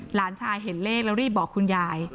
หลานชายเห็นเลขแล้วรีบบอกคุณยาย